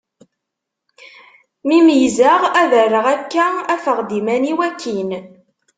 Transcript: Mi meyyzeɣ ad rreɣ akka, afeɣ-d iman-iw akkin.